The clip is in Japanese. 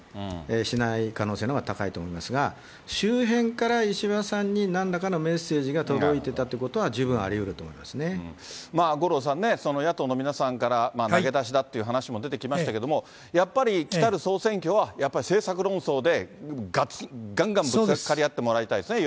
しない可能性のほうが高いと思いますが、周辺から石破さんになんらかのメッセージが届いてたってことは、まあ五郎さんね、野党の皆さんから、投げ出しだって話も出てきましたけれども、やっぱり来る総選挙は、やっぱり政策論争でがんがんぶつかり合ってもらいたいですよね、